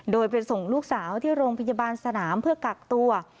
โดยไปส่งลูกสาวที่โรงพยาบาลสนามเพื่อกักตัว